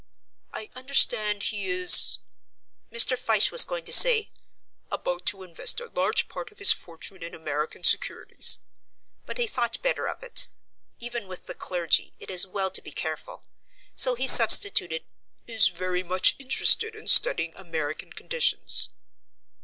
"I understand he is " Mr. Fyshe was going to say "about to invest a large part of his fortune in American securities," but he thought better of it. Even with the clergy it is well to be careful. So he substituted "is very much interested in studying American conditions."